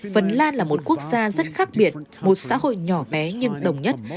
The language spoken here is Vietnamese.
phần lan là một quốc gia rất khác biệt một xã hội nhỏ bé nhưng đồng nhất